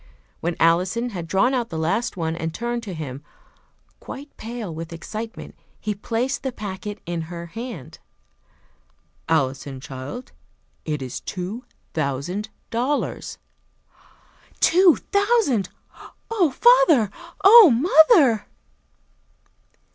When Alison had drawn out the last one, and turned to him, quite pale with excitement, he placed the packet in her hand. "Alison, child, it is two thousand dollars!" "Two thousand! Oh, father! Oh, mother!"